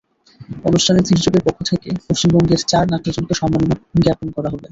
অনুষ্ঠানে তির্যকের পক্ষ থেকে পশ্চিমবঙ্গের চার নাট্যজনকে সম্মাননা জ্ঞাপন করা হবে।